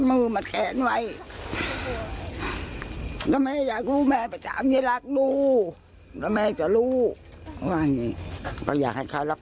เหมือนมันพ่อมันมีมาแขนไว้ก็ไม่อยากรู้ไม่มีเมล็ดรักรูระแม่จะรู้ว่าให้นะครับเอาจริงแล้วก็อยากให้เขารัก